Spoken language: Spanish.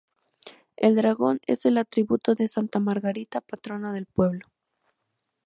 El dragón es el atributo de Santa Margarita, patrona del pueblo.